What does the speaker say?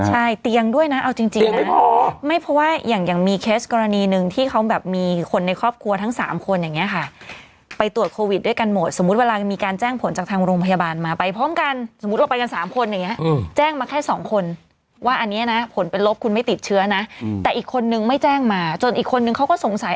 ใช่เตียงด้วยนะเอาจริงนะไม่เพราะว่าอย่างมีเคสกรณีหนึ่งที่เขาแบบมีคนในครอบครัวทั้ง๓คนอย่างนี้ค่ะไปตรวจโควิดด้วยกันหมดสมมุติเวลามีการแจ้งผลจากทางโรงพยาบาลมาไปพร้อมกันสมมุติเราไปกัน๓คนอย่างนี้แจ้งมาแค่สองคนว่าอันนี้นะผลเป็นลบคุณไม่ติดเชื้อนะแต่อีกคนนึงไม่แจ้งมาจนอีกคนนึงเขาก็สงสัย